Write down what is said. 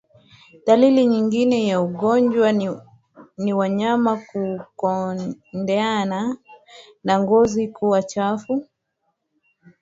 Dalili nyingine ya ugonjwa ni wanyama kukondeana na ngozi kuwa chafu